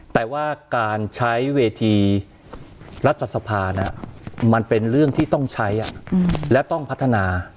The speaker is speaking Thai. แต่ว่าการใช้เวทีรัฐสภามันเป็นเรื่องที่ต้องใช้และต้องพัฒนา